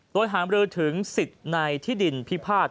โดยหามรือถึงสิทธิ์ในที่ดินพิพาท